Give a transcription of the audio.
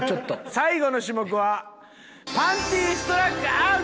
最後の種目はパンティストラックアウト。